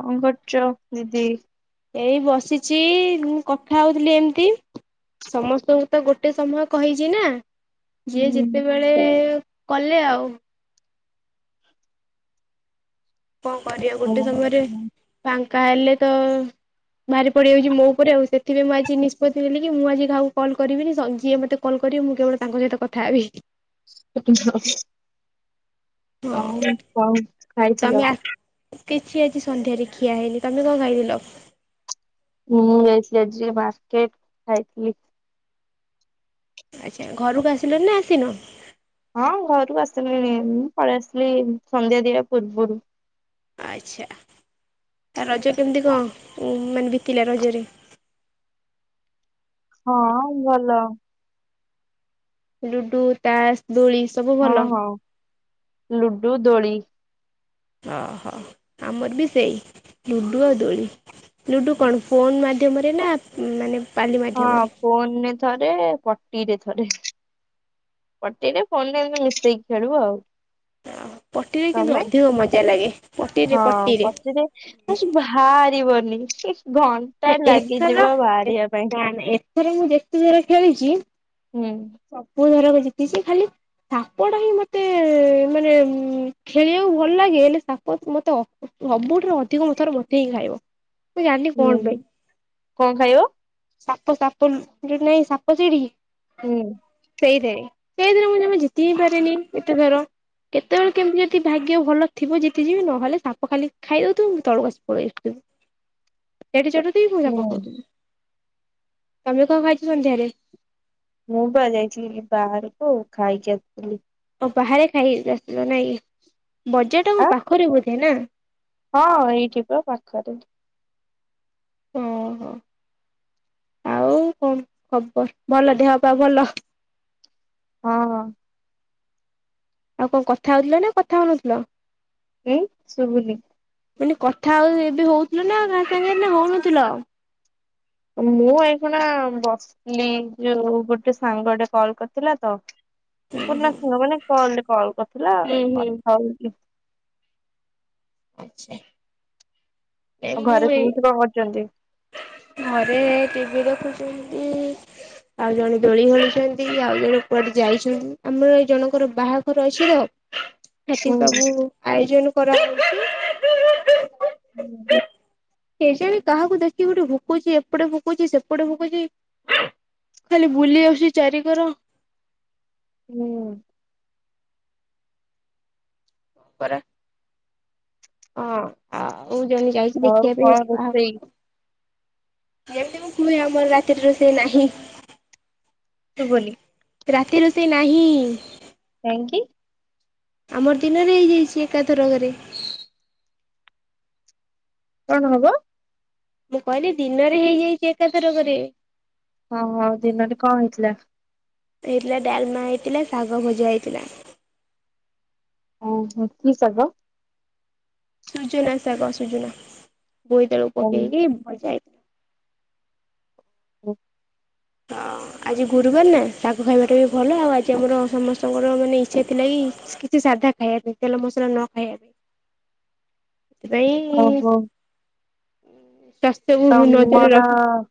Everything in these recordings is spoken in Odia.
କଣ କରୁଚ ଦିଦି? ଏଇ ବସିଚି କଥା ହୋଉଥିଲି ଏମ୍‌ତି। ସମସ୍ତଙ୍କୁ ତ ଗୋଟେ ସମୟ କହିଚି ନା। ଯିଏ ଯେତେବେଳେ ଏ କଲେ ଆଉ। କଣ କରିବା ହୁଁ ଗୋଟେ ସମୟରେ ପା ତାହାଲେ ତ ଭାରି ପଡିଯାଉଚି ମୋ ଉପରେ ଆଉ। ସେଥିପାଇଁ ମୁଁ ଆଜି ନିଷ୍ପତି ନେଲି କି ମୁଁ ଆଜି କାହା କୁ କଲ୍ କରିବିନି। ସ ଯିଏ ମତେ କଲ୍ କରିବ ମୁଁ କେବେଳ ତାଙ୍କ ସହିତ କଥା ହେବି। [unintelligible] ହଁ ଆଉ କଣ ତମେ ଖାଇଥିଲ? କିଛି ଆଜି ସନ୍ଧ୍ୟାରେ ଖିଆ ହେଇନି। ତମେ କଣ ଖାଇଥିଲ? ମୁଁ ଯାଇଥିଲି ଆଜି ଟିକେ ମାର୍କେଟ ଖାଇଥିଲି। ଆଚ୍ଛା ଘର କୁ ଆସିଲଣି ନା ଆସିନ? ହଁ ଘର କୁ ଆସିସାଲିଣି ମୁଁ ପଳେଇଆସିଲି ସନ୍ଧ୍ୟା ଦିଆ ପୂର୍ବରୁ। ଆଚ୍ଛା ରଜ କେମିତି କଣ ମାନେ ବିତିଲା ରଜ ରେ? ହଁ ଭଲ। ଲୁଡୁ, ତାସ୍, ଦୋଳି ସବୁ ହଁ ଭଲ। ହଁ। ଲୁଡୁ, ଦୋଳି। ଅ ହୋ। ଆମର ବି ସେଇ ଲୁଡ଼ୁ ଆଉ ଦୋଳି ଲୁଡ଼ୁ କଣ ଫୋନ୍ ମାଧ୍ୟମରେ ନା ମାନେ ପାଲି ହଁ ମାଧ୍ୟମରେ? ଫୋନରେ ତ ଥରେ ପଟିରେ ଥରେ ପଟିରେ ଫୋନରେ ଏମିତି ମିଶେଇକି ଖେଳୁ ଆଉ। ପଟିରେ କିନ୍ତୁ ତମେ? ଅଧିକ ମଜା ଲାଗେ। ହଁ ପଟିରେ ହେ ସବୁ ବାହାରିବନି। ହୁଁ। ଏଥର ଏ ପାଇଁ ନା ଏଥର ମୁଁ ଯେତିକିବେଳେ ଖେଳିଚି ହୁଁ। ସବୁଥିରେ ବି ଜିତିଛି ଖାଲି ସାପଟା ହିଁ ମତେ ମାନେ ଖେଳିବାକୁ ଭଲ ଲାଗେ, ହେଲେ ସାପ ମତେ ଅ ସବୁଠାରୁ ଅଧିକ ମଥର ମୋତେ ହିଁ ଖାଇବ। ମୁଁ ଜାଣିନି କଣ ହୁଁ ପାଇଁ। କଣ ଖାଇବ? ସାପ ସାପ ଯୋ ନାଇଁ ସାପ ସିଡି। ହୁଁ। ସେଇଥିରେ ସେଇଥିରେ ମୁଁ ଜମା ଜିତି ହିଁ ପାରେନି ଏତେ ଥର, କେତେବେଳେ କେମିତି ଯଦି ଭାଗ୍ୟ ଭଲ ଥିବ ଜିତିଯିବି ନହେଲେ ସାପ ଖାଲି ଖାଇଦଉଥିବ ମୁଁ ତଳକୁ ଖସି ପଳେଇ ଆସୁଥିବି। ଏଠି ସେଠି ତି [unintelligible] ମନେ ହୁଁ ପକୋଉଥିବି। ତମେ କଣ ଖାଇଚ ସନ୍ଧ୍ୟାରେ? ମୁଁ ବା ଯାଇଥିଲି ବାହାରକୁ ଖାଇକି ଆସିଥିଲି। ଓ ବାହାରେ ଖାଇି [unintelligible] ଆସିଥିଲ ନାଁ କି। ବଜାରଟା ଆ କଣ ପାଖରେ ବୋଧେ ନା ହଁ ଏଇଠି ପା ପାଖରେ। ଓହୋ ଆଉ କଣ ଖବର ଭଲ ଦେହ ପା ଭଲ? ହଁ ହଁ। ଆଉ କଣ କଥା ହଉଥିଲେ ନା କଥା ହଉନଥିଲ? ଏଇ ସୁବୁନି। ମାନେ କଥା ଆଉ ଏବେ ହଉଥିଲ ନା କା ସାଙ୍ଗରେ ନା ହଉନଥିଲ? ମୁଁ ଏଇ ଖୁଣା ବସିଲି ଯଉ ଗୋଟେ ସାଙ୍ଗଟେ କଲ କରିଥିଲା ତ [unintelligible] ମାନେ କଲ୍ କଲ୍ କର। ଥିଲା ହୁଁ ହୁଁ। କଥା ହୋଉଥିଲି। ଆଛା। ଘରେ ସମସ୍ତେ କଣ କରୁଛନ୍ତି? ଘରେ ଟିଭି ଦେଖୁଛନ୍ତି ଆଉ ଜଣେ ଦୋଳି ଖେଳୁଛନ୍ତି ଆଉ ଜଣେ କୁଆଡେ ଯାଇଛନ୍ତି ଆମେ ଜଣଙ୍କର ବାହାଘର ଅଛି ତ। ସେଠି ହୁଁ ସବୁ ଆୟୋଜନ କରା [unintelligible] ହୁଁ। କେଜାଣି କାହାକୁ ଦେଖିକି ଗୋଟେ ଭୁ ପକୋଉଚି ଏପଟେ ପକୋଉଚି ସେପଟେ ପକୋଉଚି ଖାଲି ବୁଲି ଆସୁଚି ଚାରି କର। ହୁଁ। ପରା ହଁ ଆ କୋହୁଚନ୍ତି ଯାଇକି ଆଉ ଦେଖିବା ପାଇଁ କଣ ହେଠି ରୋଷେଇ? ବାହାଘର। ଯେମିତି ମୁଁ କୁହେ ଆମର ରାତିରେ ରୋଷେଇ ନାହିଁ। ଶୁଭୁନି ରାତି ରୋଷେଇ ନାହିଁ। କାହିଁକି? ଆମର ଦିନରେ ହେଇଯାଇଚି ଏକାଥରକରେ। କଣ ହବ? ମୁଁ କହିଲି ଦିନରେ ହେଇଯାଇଚି ଏକାଥରକରେ। ହଁ ହଁ ଦିନରେ କଣ ହେଇଥିଲା? ହେଇଥିଲା ଡାଲମା ହେଇଥିଲା ଶାଗ ଭଜା ହେଇଥିଲା। ଓ ହୋ କି ଶାଗ? ସୁଜନା ସାଗ ସୁଜନା। ବୋଇତାଳୁ ପକେଇକି ଭଜା ହେଇ ହୁଁ। ଆଉ ଆଜି ଗୁରୁବାର ନା ଶାଗ ଖାଇବାଟା ବି ଭଲ ଆଉ ଆଜି ଆମର ସମସ୍ତଙ୍କର ମାନେ ଇଚ୍ଛା ଥିଲା କି କିଛି ସାଧା ଖାଇବା ପାଇଁ ତେଲ ମସଲା ନ ଖାଇବା ପାଇଁ। ଥିପାଇଁ ଉଁ ଇସ୍ ଓହୋ ସାସ୍ଥ୍ୟକୁ ହୁ ନଜରରେ ରଖି ତମର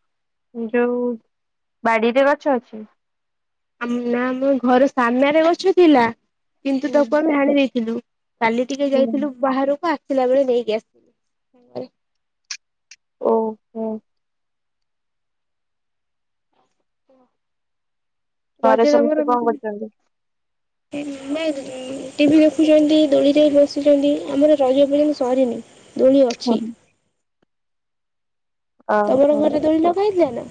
ଯୋଉ ବାଡ଼ିରେ ଗଛ ଅଛି? ଆମ୍ ନାଁ ମୋ ଘର ସାମ୍ନାରେ ଗଛ ଥିଲା। କିନ୍ତୁ ହୁଁ ତାକୁ ଆମେ ହାଣି ଦେଇଥିଲୁ। କାଲି ଟିକେ ହୁଁ ଯାଇଥିଲୁ ବାହାରୁକୁ ଆ ଥିଲା ବେଳେ ନେଇକି ଆସ୍ [inaudible] ଓ ହୋ। ଙ ଘରେ ସମସ୍ତେ କଣ କରୁଚନ୍ତି? ଏଇ ମ୍ବା ଉଁ ଟିଭି ଦେଖୁଚନ୍ତି ଦୋଳିରୋଇ ବସିଛନ୍ତି ଆମର ରଜ ଏପର୍ଯ୍ୟନ୍ତ ସରିନି। ଦୋଳି ହୁଁ ଅଛି। ହୁଁ। ତମର ଓହୋ। ଘରେ ଦୋଳି ଲଗାହେଇଥିଲା ନାଁ?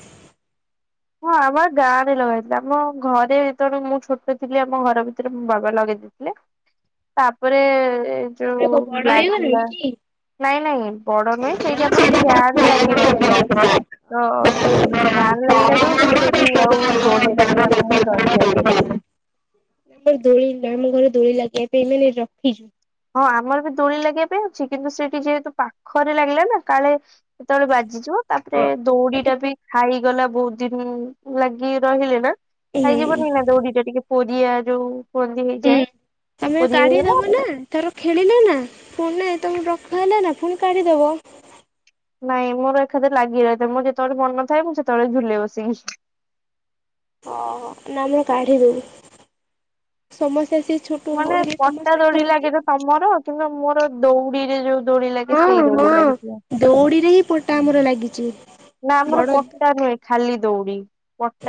ହଁ ଆମ ଆ ଗାଁରେ ଲଗାହେଇଥିଲା ଆମ ଘରେ ଯେତେଲ ମୁଁ ଛୋଟ ଥିଲି ଆମ ଘର ଭିତରେ ମୋ ବାବା ଲଗେଇ ଦେଗେଇଥିଲେ ତାପରେ ଏ- ତମେ ଯୋଉ କଣ ବଡ ହେଇଗଲଣି ଲାଗିଲା କି? ନାଇଁ ନାଇଁ ବଡ଼ ନୁହେଁ ସେଇଠି ଆମର ଫ୍ୟାନ ଲାଗିନଥିଲା ତ ଉଁ ଫ୍ୟାନ ଆମର ଲାଗିଲା ତ ମୁଁ ସେଠି ଆଉ ଦୋଳି ଲାଗିବା ପାଇଁ ରହିଲାନି। ମୋ ଘରେ ଦୋଳି ଲାଗିବା ପାଇଁ ଏମାନେ ରଖି ହଁ ଆମର ବି ଦୋଳି ଲାଗିବା ପାଇଁ ଅଛି କିନ୍ତୁ ସେଠି ଯେହେତୁ ପାଖରେ ଲାଗିଲା ନାଁ କାଳେ କେତବେଳେ ବାଜିଯିବ ତାପରେ ହଁ ଏବେ ଦୋଉଡି଼ଟା ହୁଁ ବି ଖାଇଗଲା ବହୁତ ଦିନ ଲାଗି ରହିଲେ ନା। ଖାଇଯିବନି ନା ଦୌଡି ଟା ଟିକେ। ପୋରିଆ ଯୋଉ କନ୍ଦି ହେଇଯାଏ ପୁରି ହେଇଗଲେ ତର ଖେଳିଲେ ନା ପୁଣି ନାଇ ତମ ରଖ ହେଲା ନା ପୁଣି କାଢ଼ିଦବ। ନାଇଁ ମୋର ଏକାଥେ ଲାଗି ରହିଥାଏ ମୋର ଯେତେବେଳେ ମନ ନଥାଏ ମୁଁ ସେତେବେଳେ ଝୁଲେ ବସିକି। ଓହୋ ନା ମୁଁ କାଢି ଦେଲି ସମସ୍ତେ ଆସିକି ଛୋଟ ମାନେ ବଡ ପଟା ସମସ୍ତେ ଦୋଳି ଖେଳନ୍ତି। ଲାଗେ ତ ତମର କିନ୍ତୁ ମୋର ଦୌଡିରେ ଯୋଉ ଦୋଳି ଲାଗେ ହଁ ସେଇ ଦୋଳି ଲାଗିଥିଲା। ହଁ ଦଉଡିରେ ହିଁ ପଟା ଆମର ଲାଗିଛି ବଡ। ଦଉଡ଼ି।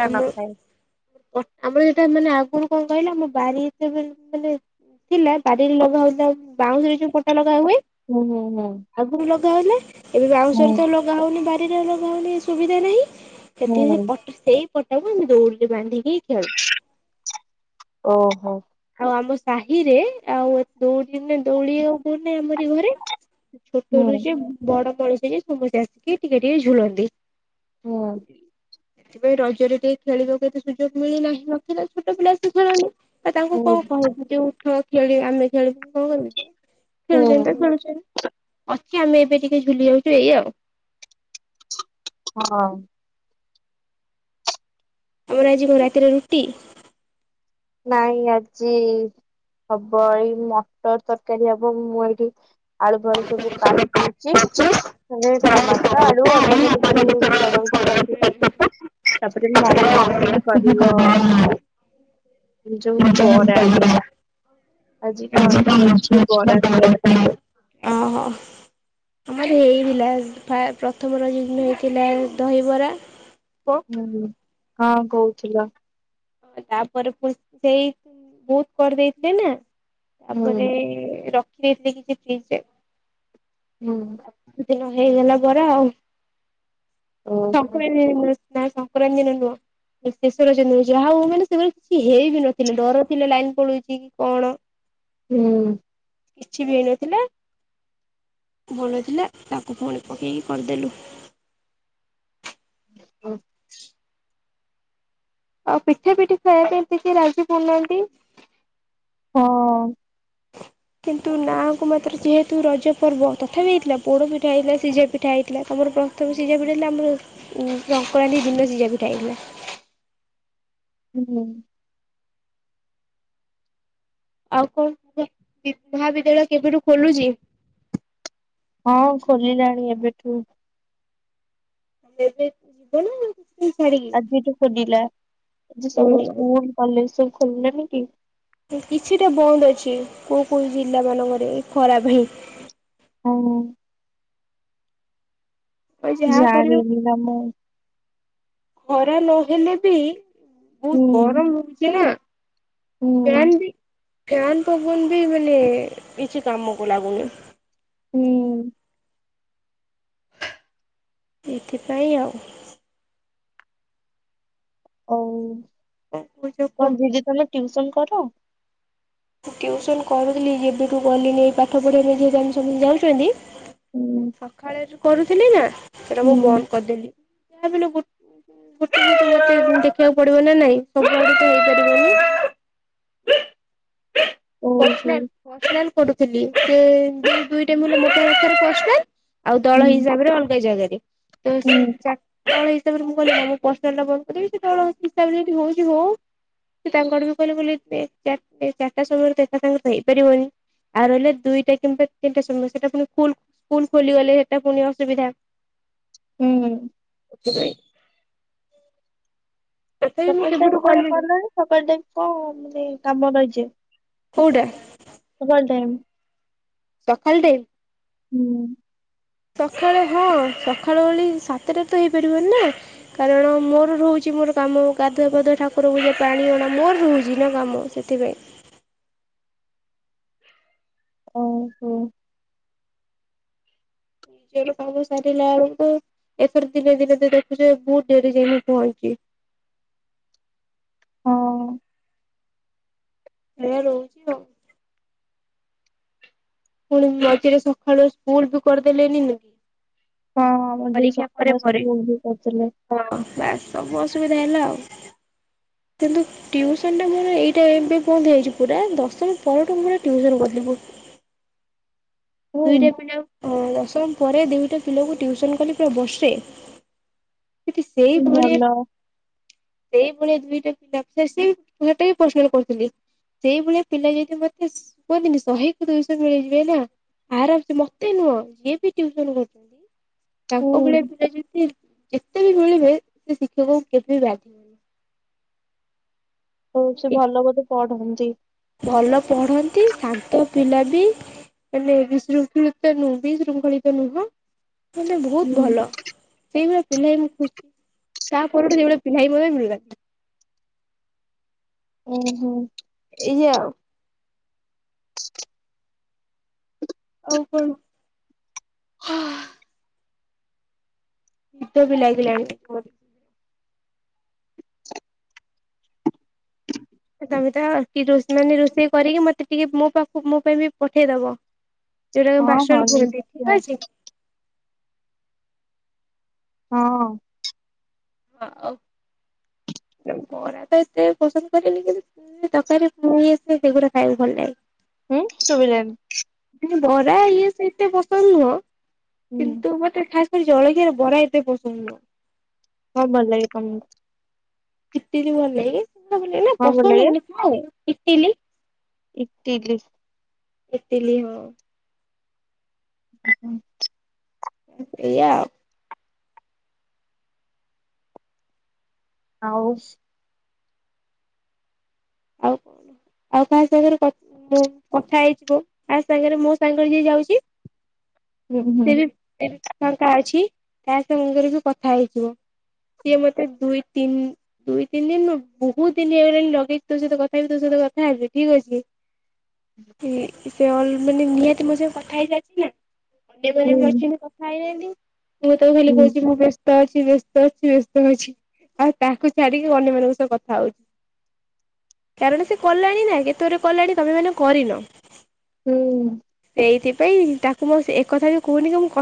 ଆମର ଆମର ସେଟା ମାନେ ଆଗରୁ କଣ କହିଲା ଆମ ବାରି ଏତେବେ ମାନେ ଥିଲା ବାରିରେ ଲଗା ହଉଥିଲା ବାଉଁଶରେ ଯୋଉ ପଟା ଲ ହୁଏ ହୁଁ ହୁଁ ହୁଁ। ଆଗକୁ ଲ ତାହେଲେ। ଏବେ ବାଉଁଶରେ ତ ଲଗା ହଉନି ବାରି ଚାକିରିଆ ‌ଲୋକଙ୍କୁ ଟିକେ ସୁବିଧା ନାହିଁ ହୁଁ ଏଥିରେ ହୁଁ ପ୍ ଏଇ ପଟାକୁ ଆମେ ଦୌଡିରେ ବାନ୍ଧିକି ଖେଳୁ ଓହୋ। ଆଉ ଆମ ସାହିରେ ଆଉ ଦଉଡି ନା ଦୋଳି ଆଉ କୋଉଠି ନାହିଁ ଆମରି ଘରେ। ଛୋଟରୁ ହୁଁ ଯେ ବଡ ମଣିଷ ଯାଏ ସମସ୍ତେ ଆସିକି ଟିକେ ଟିକେ ଝୁଲନ୍ତି। ହୁଁ। ସେଥିପାଇଁ ରଜରେ ଟିକେ ଖେଳିବାକୁ ଏତେ ସୁଯୋଗ ମିଳିନାହିଁ ନଥିଲା ଛୋଟ ପିଲା ଆସି ଖେଳନି। ତ ତାଙ୍କୁ ହୁଁ କଣ କହିବୁ ଯୋଉ ହଁ ଖେଳି ଆମେ ଖେଳିବୁ କଣ ହେଲା। ହୁଁ ଖେଳୁଚନ୍ତି ତ ଖେଳୁଚନ୍ତି। ଆମେ ଏବେ ଟିକେ ଝୁଲି ଯାଉଚୁ ଏଇ ଆଉ। ହଁ। ଆମର ଆଜି କ ରାତିରେ ରୁଟି। ନାଇଁ ଆଜି ହବ ଏଇ ମଟର ତରକାରୀ ହବ ମୁଁ ଏଇଠି ଆଳୁ ବାଳୁ ସବୁ କାଟୁଚି ତାରେ ଟମାଟ ଆଳୁ ଅଦା ଫଦା ସବୁ ଛଡଉଛି। ତାପରେ ମମି। ଆସିକି [unintelligible] ଯଉ ବରା ଆଜି କଣ ଇଚ୍ଛା ଅଛି କି ବରା ଖାଇବା ଓହୋ ଆମର ହେଇଥିଲା ଫା ପ୍ରଥମ ରଜ ଦିନ ହେଇଥିଲା ଦହିବରା। ହୁଁ ହୁଁ। ହଁ କହୁଥୁଲ ତାପରେ ପରେ ସେଇ ବହୁତ [unintelligible] ନା ହୁଁ ତାପରେ ର [unintelligible] ହୁଁ। ହେଇଗଲା ପରେ ଆଉ ଓହୋ [unintelligible] ନାଇଁ ସଂକ୍ରାନ୍ତି ଦିନ ନୁଅ [unintelligible] ଶେଷ ରଜ ଦିନ ଯାହା ହଉ ମାନେ ସେମାନେ କିଛି ହେଇ ବି ନଥିଲେ ଡର ଥିଲେ ଲାଇନ ପଡୁଛି କି କଣ ହୁଁ। କିଛି ବି ହେଇନଥିଲା ଭଲଥିଲେ ତାକୁ ପୁଣି ପକେଇକି କରିଦେଲୁ। ହୁଁ। ଆଉ ପିଠା ଫିଟା ଖାଇବା ପାଇଁ ଟିକେ ରାଜି କରୁନାହାନ୍ତି। ହଁ। କିନ୍ତୁ ନାକୁ ମାତ୍ର ଯେହେତୁ ରଜ ପର୍ବ ତଥାପି ହେଇଥିଲା ପୋଡ ପିଠା ହେଇଥିଲା ସିଝା ପିଠା ହେଇଥିଲା ତମର ପ୍ରଥମେ ସିଝା ପିଠା ହେଥିଲା ଆମର ସଂକ୍ରାନ୍ତି ଦିନ ସିଝା ପିଠା ହେଇଥିଲା। ହୁଁ। ଆଉ କଣ ମହାବିଦ୍ୟାଳୟ କେବେଠାରୁ ଖୋଲୁଛି? ହଁ ଆଉ ଖୋଲିଲାଣି ଏବେଠୁ। ଏବେ ଯିବନା। ଆଜି ଏଠୁ ଖୋଲିଲା ଏ ସବୁ ଛାଡିକି? ସ୍କୁଲ କଲେଜ ସବୁ ଖୋଲିଲାନି କି? କିଛିଟା ବନ୍ଦ ଅଛି କୋଉ କୋଉ ଜିଲ୍ଲା ମାନଙ୍କରେ ଖରା ପାଇଁ। ହଁ ହଁ। ଆଉ ଯାହା କରିବେ ଯାହାବି ହେଲେ କାମ ଖରା ନହେଲେ ବି ବହୁତ ହୁଁ ଗରମ ହଉଚି ନା ହୁଁ। ଫ୍ୟାନ ପବନ ବି ମାନେ କିଛି କାମକୁ ଲାଗୁନି। ହୁଁ। ଏଥିପାଇଁ ଆଉ ଆଉ। କଣ କହୁଛ କୁହ? ଦିଦି ତମେ ଟ୍ୟୁସନ କର? ଉଁ। ମୁଁ ଟିଉସନ କରୁଥିଲି ଯେବେଠୁ ଗଲିନି ଏଇ ପାଠ ପଢ଼ିବା ପାଇଁ ଯାଉଛନ୍ତି। ହୁଁ ସଖାଳେ ରୁ କରୁଥିଲି ନା। ସେଇଟା ମୁଁ ହୁଁ ବନ୍ଦ କରିଦେଲି। ଯହା ହେଲେ ବି ଗୋଟେ ଗୋଟେ ଦେଖିବାକୁ ପଡିବ ନା ନାଇଁ ସବୁଆଡ ତ ହେଇପାରିବନି। ଓହୋ ପସନାଲ ପସନାଲ। କରୁଥିଲି ସେ ଦୁଇ ଦୁଇଟା ମୁଁ [unintelligible] ପସନାଲ। ଆଉ ହୁଁ ଦଳ ହିସାବରେ ଅଲଗା ଜାଗାରେ। ସେ ତ ହୁଁ ସେ ଚା ଦଳ ହିସାବରେ ମୁଁ କହି ମୁଁ ପସନାଲ ଟା ବନ୍ଦ କରିବି ସେ ଦଳ ହିସାବରେ ଯଦି ହଉଛି ହଉ ସେ ତାଙ୍କ ଆଡୁ ବି କହିଲେ ବୋଲି ଚାରିଟା ସମୟରେ ତା ତ ହେଇପାରିବନି ଆଉ ହେଲେ ଦୁଇଟା କିମ୍ବା ତିନିଟା ସମୟ ସେଟା ପୁଣି ସ୍କୁଲ ଖୋଲିଗଲେ ସେଟା ପୁଣି ଅସୁବିଧା। ହୁଁ। ସେ। [inaudible] ସକାଳୁ ଟାଇମ କଲାଣି ସକାଳୁ ଟାଇମ କଣ ମାନେ କାମ ରହି ଯାଏ। କୋଉଟା [inaudible] ସକାଳ ଟାଇମ୍। ସକାଳ ଟାଇମ୍? ହୁଁ। ସକାଳେ ହଁ ସକାଳ ଓଳି ସାତଟା ତ ହେଇପାରିବନି ନା କାରଣ ମୋର ରହୁଛି ମୋର କାମ ଗାଧୁଆ ପାାଧୁଆ ଠାକୁରକୁ ପୂଜା ପାଣି ଅଣା ମୋର ରହୁଛି ନା କାମ ସେଥିପାଇଁ। ଓହୋ। ନିଜ ଲୋକ ଙ୍କ କାମ ଷ୍ଟାର୍ଟ ହେଲା ବେଳକୁ ଏଥର ଧିରେ ଧିରେ ଧୀରେ ଧୀରେ ବହୁତ ଡେରି ଯାଏଁ ମୁଁ ବଢୁଚି। ହଁ। ସେଇଆ ରହୁଚି ଆଉ। ପୁଣି ମଝିରେ ସକାଳୁଆ ସ୍କୁଲ ବି କରିଦେଲେନି ନା? ହଁ ମଝିରେ ପରୀକ୍ଷା ପରେ ସକାଳେ ପରେ ସ୍କୁଲ ବି କରିଥିଲେ। ହଁ ବାସ୍ ସବୁ ଅସୁବିଧା ହେଲା ଆଉ କିନ୍ତୁ ଟିଉସନ୍ ଟା ମୋର ଏଇଟା ଏବେ ବନ୍ଦ ହେଇଯାଇଚି ପୁରା ଦଶମ ପରଠୁ ପୁରା ମୁଁ ଟିଉସନ୍ କରୁଥିଲି ବୋହୁତ। ହୁଁ ଦୁଇଟା ପିଲା ଅ ଦଶମ ପରେ ଦୁଇଟା ପିଲାକୁ ଟଟିଉସନ କଲି ପୁରା ବର୍ଷେ। କିନ୍ତୁ ସେଇଭଳିଆ ଭଲ ସେଇ ଭଳିଆ ଦୁଇଟା ପିଲା ସିଏ ବି ସେଟା ବି ପର୍ଶନାଲ କରୁଥିଲି ସେଇଭଳିଆ ପିଲା ଯଦି ମତେ କୁହନ୍ତିନି ଶହେ କି ଦୁଇଶହ ମିଳିଯିବେ ନା। ଆରମସେ ମତେ ନୁହଁ ଇଏ ବି ଟୁଉସନ କରୁ ହୁଁ ତାଙ୍କ ଭଳିଆ ପିଲା ଯଦି ଯେତେ ବି ମିଳିବେ ସେ ଶିକ୍ଷକଙ୍କୁ କେବେ ବି ବାଧି ହଉ ସେ ଭଲ ବଧେ ପଢନ୍ତି। ତି ଭଲ ପଢନ୍ତି ଶାନ୍ତ ପିଲା ବି ମାନେ ବିଶୃଙ୍ଖଳିତ ନୁହେଁ ବି ଶୃଙ୍ଖଳିତ ନୁହଁ। ମାନେ ବହୁତ ହୁଁ ଭଲ। ସେଇଭଳିଆ ପିଲା ଏଇନୁ ଖୋଜି ତା ପରଠୁ ସେଇଭଳିଆ ପିଲା ବି ମିଳିଲାନି। ଉଁ ହୁଁ। ଏଇଆ ଆଉ। ଆଉ କଣ। ଶୀତ ବି ଲାଗି ଲାଣି ମତ ତମେ ତ କି ରୋଷ ମାନେ ରୋଷେଇ କରିକି ମତେ ଟିକେ ମୋ ପାଖକୁ ମୋ ପାଇଁ ବି ପଠେଇଦବ। ଯୋଉଟା ହଁ ହଁ ପାର୍ସଲ କୁହନ୍ତି ନିଶ୍ଚୟ ଠିକ ଅଛି। ହଁ। ହଁ ଆଉ ବରା ତ ଏତେ ପସନ୍ଦ କରେନି କିନ୍ତୁ ତରକାରୀ ପୁରୀ ଆସେ ସେଗୁରା ଖାଇବାକୁ ଭଲ ଲାଗେ। ହୁଁ ଶୁଭିଲାନି। ବରା ଇଏ ସେତେ ପସନ୍ଦ ନୁହଁ ହୁଁ କିନ୍ତୁ ମୋତେ ଖାସ ମତେ ଜଳଖିଆର ବରା ଏତେ ପସନ୍ଦ ନୁହଁ। ହ କଣ ଭଲ ଲାଗେ ତମକୁ? ଇଟିଲି ଭଲ ଲାଗେ। ବରା ଭଲ ଲାଗେନି ନା କଣ ଭଲ ପସନ୍ଦ ଲାଗେ ନୁହେଁ କଣ ବେ। ଇଟିଲି। ଇଟିଲି। ଇଟିଲି ହଁ। ସେଇୟା। ଆଉ ଆଉ ଆଉ କାହାର ସାଙ୍ଗରେ କଥା ହେଇଯିବ କାହା ସାଙ୍ଗରେ ମୋ ସାଙ୍ଗରେ ଯିଏ ଯାଉଛି। ହୁଁ ହୁଁ ସିଏ ବି [unintelligible] ଟଙ୍କା ଅଛି ତା ସାଙ୍ଗରେ ବି କଥା ହେଇଥିବ ସିଏ ମତେ ଦୁଇ ତିନି ଦୁଇ ତିନି ଦିନ ବହୁତ ଦିନ ହେଇଗଲାଣି ଲଗେଇ। ତୋ ସହିତ କଥା ହେବି ତୋ ସହିତ କଥା ହେବି ଠିକ ଅଛି। ହୁ। ସେ ଅଲ ମାନେ ନିହାତି ମୋ ସ କଥା ହେଇଯାଉଛି ନା। ଅଣ୍ଡେ ହୁଁ ପରେ ଅଛନ୍ତି କଥା ହେଇନାନ୍ତି। ମୁଁ ତ ଖାଲି ହୁଁ କହୁଛି ମୁଁ। ବ୍ୟ ଅଛି ବ୍ୟସ୍ତ ଅଛି ବ୍ୟସ୍ତ ଅଛି ଆଉ ତାହାକୁ ଛାଡିକି ଅନ୍ୟମାନଙ୍କ ସହ କଥା ହଉଛି। କାରଣ ସେ କଲାଣି ନା କେତେ ରେ କଲାଣି ତମେ ମାନେ କରିନ। ହୁଁ। ସେଇଥିପାଇଁ ତାକୁ ମୁଁ ଏକଥା ବି କହୁନି ମୁଁ।